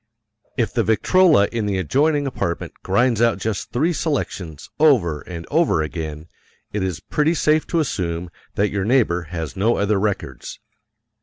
If the Victrola in the adjoining apartment grinds out just three selections over and over again, it is pretty safe to assume that your neighbor has no other records.